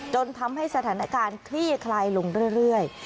จนทำให้สถานการณ์คลี่คลายลงเรื่อย